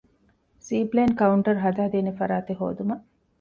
ސީޕްލޭން ކައުންޓަރ ހަދާދޭނެ ފަރާތެއް ހޯދުމަށް